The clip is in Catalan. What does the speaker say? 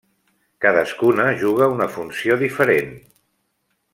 Cadascuna juga una funció diferent.